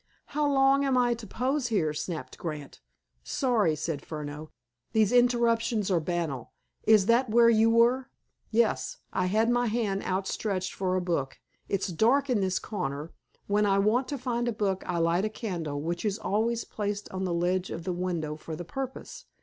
"How long am I to pose here?" snapped Grant. "Sorry," said Furneaux. "These interruptions are banal. Is that where you were?" "Yes. I had my hand outstretched for a book. It's dark in this corner. When I want to find a book I light a candle, which is always placed on the ledge of the window for the purpose.